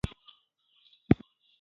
په زرګونو کورونه وسوځول شول.